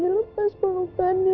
dhani lepas panggungkannya